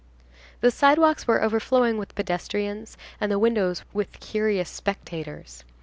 The sidewalks were overflowing with pedestrians and the windows with curious spectators.